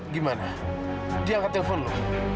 gimana dia angkat telepon lu